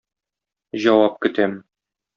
Җавап көтәм.